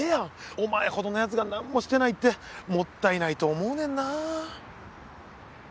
お前ほどの奴がなんもしてないってもったいないと思うねんな。